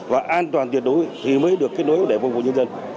và an toàn tuyệt đối thì mới được kết nối để phục vụ nhân dân